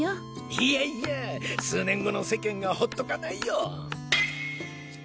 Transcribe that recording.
いやいや数年後の世間がほっとかないよ。